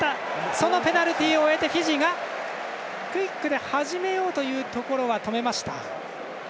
そのペナルティを得てフィジーがクイックで始めようというところは止めました。